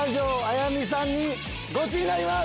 やみさんにゴチになります！